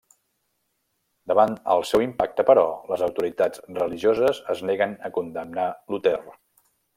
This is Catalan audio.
Davant el seu impacte, però, les autoritats religioses es neguen a condemnar Luter.